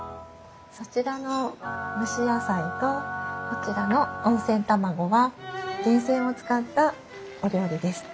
そちらの蒸し野菜とこちらの温泉卵は源泉を使ったお料理です。